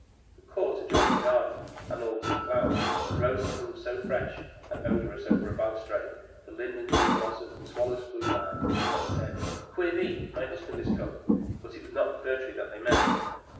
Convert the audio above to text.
The court adjoined a garden, and all was in flower; the roses hung so fresh and odorous over the balustrade, the lindens were in blossom, the Swallows flew by, and said, "Quirre vit! My husband is come!" but it was not the Fir Tree that they meant.